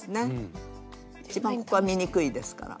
一番ここは見にくいですから。